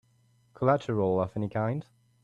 Collateral of any kind?